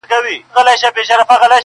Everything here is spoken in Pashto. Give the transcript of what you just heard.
شپې په برخه سوې د غلو او د بمانو!